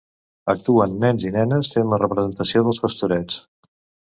Actuen nens i nenes fent la representació d'Els Pastorets.